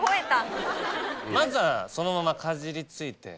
まずはそのままかじりついて。